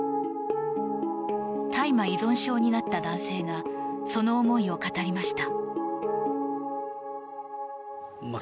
大麻依存症になった男性がその思いを語りました。